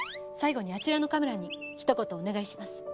最後にあちらのカメラに一言お願いします。